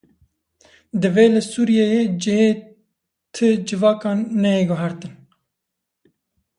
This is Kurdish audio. Divê li Sûriyeyê cihê ti civakan neyê guhertin.